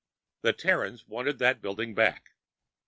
The Terrans wanted that building back.